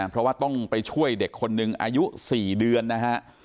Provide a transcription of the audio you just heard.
เพราะว่าต้องไปช่วยเด็กคนหนึ่งอายุ๔เดือนนะฮะ